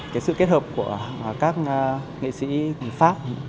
cái sự kết hợp của các nghệ sĩ pháp